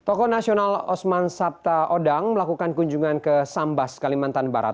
tokoh nasional osman sabta odang melakukan kunjungan ke sambas kalimantan barat